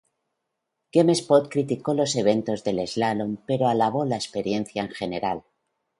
GameSpot criticó los eventos de slalom, pero alabó la experiencia en general.